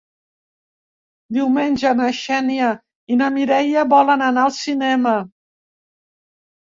Diumenge na Xènia i na Mireia volen anar al cinema.